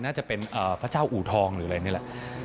น่าจะเป็นพระเจ้าอู่ทองหรืออะไรนี่แหละ